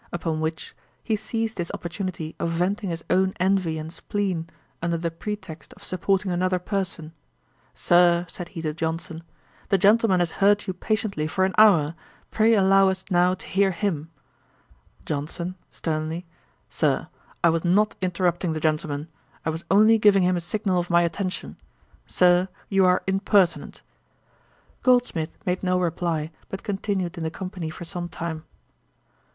Upon which, he seized this opportunity of venting his own envy and spleen, under the pretext of supporting another person: 'Sir, (said he to Johnson,) the gentleman has heard you patiently for an hour; pray allow us now to hear him.' JOHNSON. (sternly,) 'Sir, I was not interrupting the gentleman. I was only giving him a signal of my attention. Sir, you are impertinent.' Goldsmith made no reply, but continued in the company for some time.